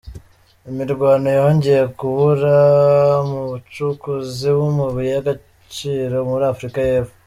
Imirwano yongeye kubura mu bacukuzi b’amabuye y’acaciro muri Afurika y’Epfo